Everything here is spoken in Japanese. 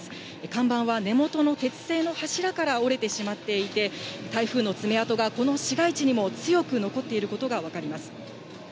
看板は根元の鉄製の柱から折れてしまっていて、台風の爪痕が、この市街地にも強く残っていることが分かります。